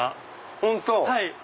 本当